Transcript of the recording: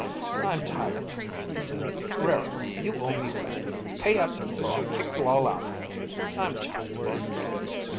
"I'm tired," he said. "Rara, you owe me rent. Pay up or I'll kick you all out. I'm tired."